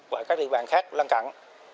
và các địa bàn khác lân cận